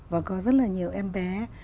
và có rất là nhiều em bé